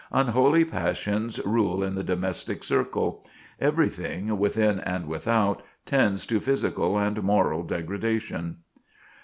Unholy passions rule in the domestic circle. Everything, within and without, tends to physical and moral degradation."